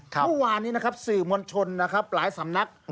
ทุกวันนี้นะครับสื่อมณชนนะครับหลายสำนัก